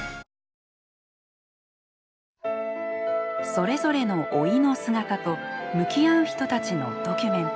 それぞれの老いの姿と向き合う人たちのドキュメント。